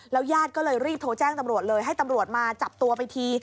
ญาติก็เลยรีบโทรแจ้งตำรวจเลยให้ตำรวจมาจับตัวไปที